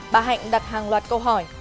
bà hạnh đặt hàng loạt câu hỏi